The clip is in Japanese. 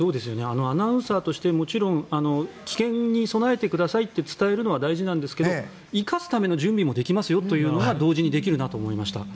アナウンサーとしてもちろん危険に備えてくださいと伝えるのは大事なんですけど生かすための準備もできますよというのが大事ですよ。